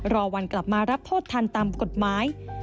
รอวันกลับมารับโทษทันตามกฎหมาย